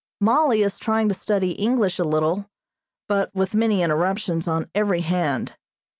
Mollie is trying to study English a little, but with many interruptions on every hand.